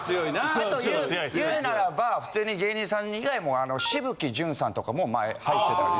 あと言うならば普通に芸人さん以外も。とかも前入ってたり。